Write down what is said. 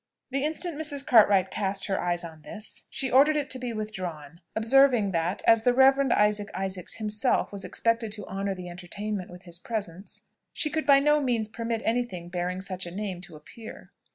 The instant Mrs. Cartwright cast her eyes on this, she ordered it to be withdrawn, observing that, as the Reverend Isaac Isaacs himself was expected to honour the entertainment with his presence, she could by no means permit any thing bearing such a name to appear.